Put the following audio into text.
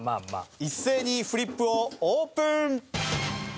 一斉にフリップをオープン！